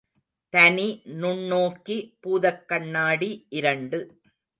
தனி நுண்ணோக்கி பூதக்கண்ணாடி இரண்டு.